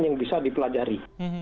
yang bisa dipelajari